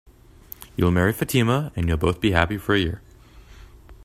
You'll marry Fatima, and you'll both be happy for a year.